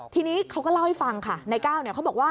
ทีนี้เขาก็เล่าให้ฟังค่ะนายก้าวเขาบอกว่า